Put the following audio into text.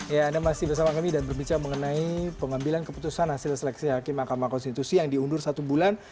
ya anda masih bersama kami dan berbicara mengenai pengambilan keputusan hasil seleksi hakim mahkamah konstitusi yang diundur satu bulan